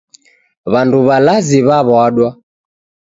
W'andu w'alazi w'aw'adwa.